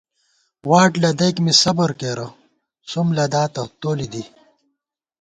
واٹ لَدَئیک مِز صبر کېرہ سُم تلاتہ تولی دی